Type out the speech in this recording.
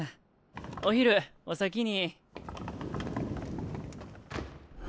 お昼お先に。